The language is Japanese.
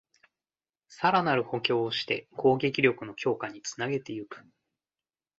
さらなる補強をして攻撃力の強化につなげていく